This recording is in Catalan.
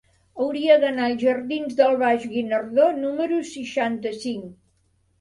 Hauria d'anar als jardins del Baix Guinardó número seixanta-cinc.